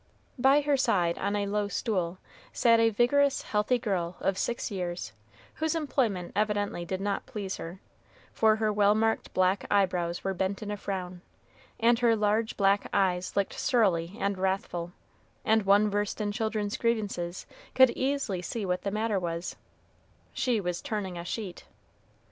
By her side, on a low stool, sat a vigorous, healthy girl of six years, whose employment evidently did not please her, for her well marked black eyebrows were bent in a frown, and her large black eyes looked surly and wrathful, and one versed in children's grievances could easily see what the matter was, she was turning a sheet!